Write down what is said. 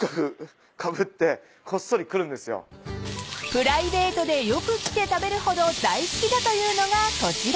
［プライベートでよく来て食べるほど大好きだというのがこちら］